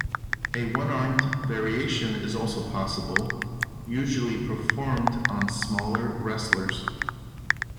A one-armed variation is also possible, usually performed on smaller wrestlers.